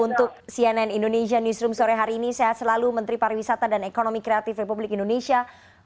untuk cnn indonesia newsroom sore hari ini sehat selalu menteri pariwisata dan ekonomi kreatif republik indonesia